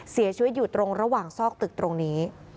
เสียชีวิตอยู่ตรงระหว่างซอกตึกตรงนี้